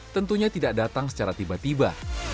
tentunya tidak datang secara tiba tiba